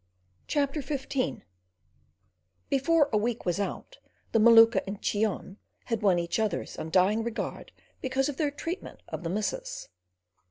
CHAPTER XV Before a week was out the Maluka and Cheon had won each other's undying regard because of their treatment of the missus.